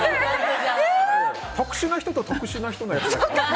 特殊な人と特殊な人のやつ。